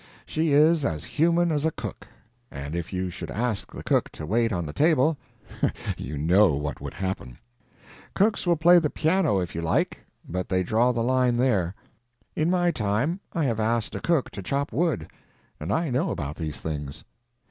She is as human as a cook; and if you should ask the cook to wait on the table, you know what would happen. Cooks will play the piano if you like, but they draw the line there. In my time I have asked a cook to chop wood, and I know about these things.